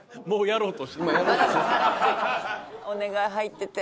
お願い入ってて。